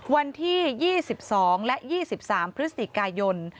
วันที่๒๒และ๒๓พฤศจิกายน